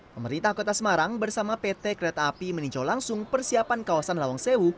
pemerintah kota semarang bersama pt kereta api meninjau langsung persiapan kawasan lawang sewu